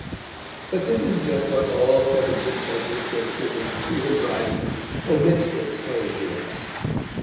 But this is just what all seventeenth century criticism, even Dryden's, omits to explain to us.